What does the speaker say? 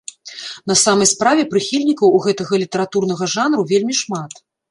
На самай справе прыхільнікаў у гэтага літаратурнага жанру вельмі шмат.